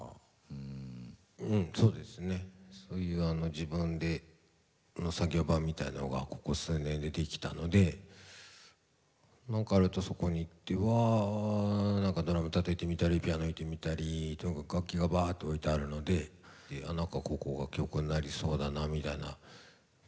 自分で作業場みたいなのがここ数年でできたので何かあるとそこに行ってはドラムたたいてみたりピアノ弾いてみたり楽器がバーッと置いてあるので何かここが曲になりそうだなみたいなことでやってますね。